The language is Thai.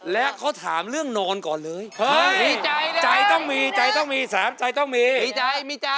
และเขาถามเรื่องนอนก่อนเลยใจต้องมีใจต้องมีสามใจต้องมีดีใจมีใจ